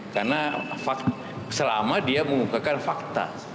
karena selama dia mengungkapkan fakta